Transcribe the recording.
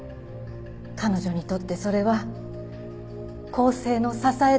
彼女にとってそれは更生の支えだったんです。